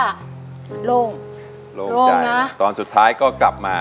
มันโล่งโล่งใจตอนสุดท้ายก็กลับมา